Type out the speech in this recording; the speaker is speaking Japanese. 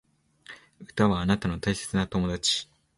歌はあなたの大切な友達